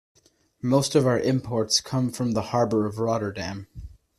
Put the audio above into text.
Most of our imports come from the harbor of Rotterdam.